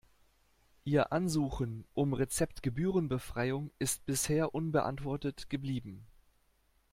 Ihr Ansuchen um Rezeptgebührenbefreiung ist bisher unbeantwortet geblieben.